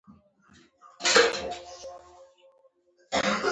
دا حديث د ژوند په ټولو چارو پورې تعلق نيسي.